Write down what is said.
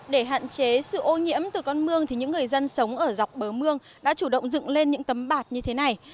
để hạn chế sự ô nhiễm từ con mương thì những người dân sống ở dọc bờ mương đã chủ động dựng lên những tấm bạt như thế này